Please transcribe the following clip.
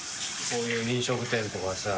こういう飲食店舗はさ。